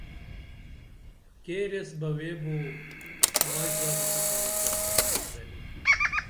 کیریس بہ ویبو مائی زادی تہ کاڻ تسہ کی گنی